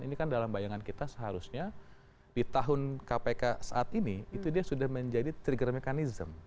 ini kan dalam bayangan kita seharusnya di tahun kpk saat ini itu dia sudah menjadi trigger mechanism